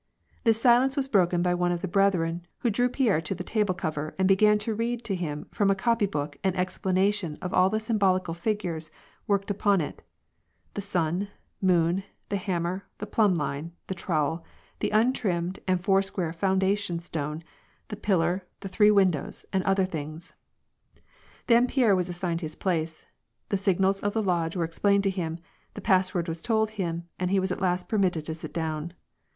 This silence was broken by one of the brethren, who drew Pierre to the table cover and began to read to him from a copy book an explanation of all the symbolical figures worked up on it : the sun, moon, the hammer, the plumb line, the trowel, the untrimmed and four square foundation stone, the pillar, the three windows, and other things. Then Pierre was assigned his place ; the signals of the Lodge were explained to him ; the password was told him, and he was at last permitted to sit down.